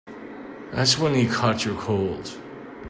That's when he caught your cold.